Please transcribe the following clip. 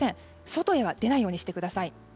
外へは出ないようにしてください。